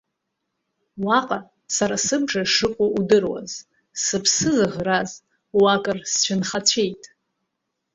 Уаҟа сара сыбжа шыҟоу удыруаз, сыԥсы зыӷраз уа кыр сцәынхацәеит.